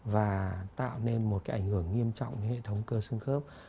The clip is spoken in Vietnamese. và tạo nên một cái ảnh hưởng nghiêm trọng cái hệ thống cơ xương khớp